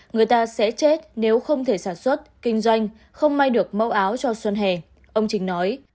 người ta sẽ chết nếu không thể sản xuất kinh doanh không may được mẫu áo cho xuân hè ông chính nói